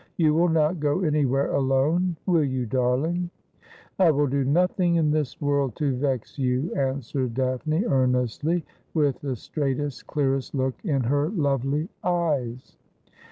You will not go any where alone, will you, darling >"' I will do nothing in this world to vex you,' answered Daphne earnestly, with the straightest, clearest look in her lovely eyes.